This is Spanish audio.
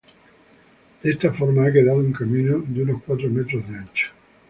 De esta forma, ha quedado un camino de unos cuatro metros de ancho.